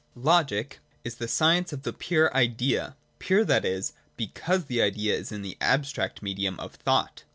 19.] Logic is the science of the pure Idea ; pure, that is, because the Idea is in the abstract medium of Thought.